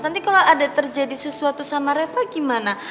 nanti kalau ada terjadi sesuatu sama reva gimana